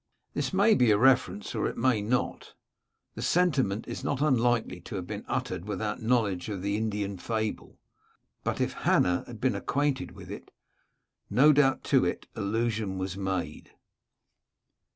This may be a reference or it may not. The sentiment is not unlikely to have been uttered without knowledge of the Indian fable ; but if Hannah had been acquainted with it, no doubt to it allusion was made.